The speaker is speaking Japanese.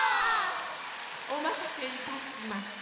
おまたせいたしました。